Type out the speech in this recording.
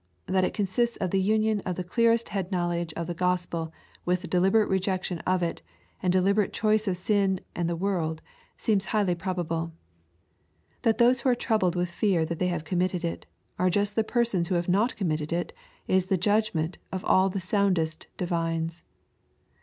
That it consists of the union of the clearest head knowledge of th e Gospel with deliberate rejec tion of it, and deliberate choice of iin and the world, seems highly probable. That those who are troubled with fear that they have committed it, are just the persons who have not committed it, ia the judgment of all the soundest divines.